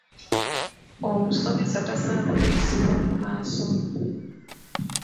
Omusomesa tasaana kuyisibwamu maaso.